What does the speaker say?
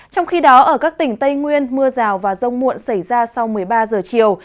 trong khi đó ở các tỉnh tây nguyên mưa rào và rông muộn xảy ra sau một mươi ba giờ chiều